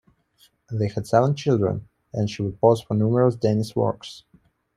They had seven children, and she would pose for numerous Denis works.